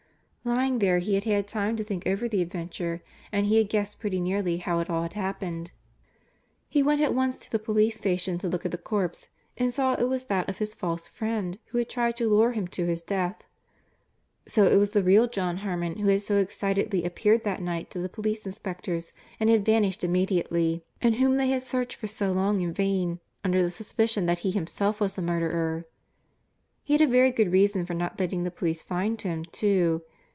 Lying there he had had time to think over the adventure and he had guessed pretty nearly how it all had happened. He went at once to the police station to look at the corpse and saw it was that of his false friend, who had tried to lure him to his death. So it was the real John Harmon who had so excitedly appeared that night to the police inspectors, and had vanished immediately, and whom they had searched for so long in vain, under the suspicion that he himself was the murderer. He had a very good reason for not letting the police find him, too.